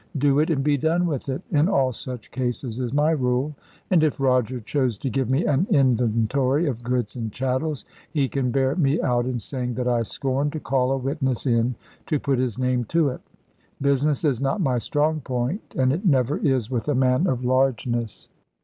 "Do it, and be done with it," in all such cases is my rule; and if Roger chose to give me an inventory of goods and chattels, he can bear me out in saying that I scorned to call a witness in to put his name to it. Business is not my strong point, and it never is with a man of largeness.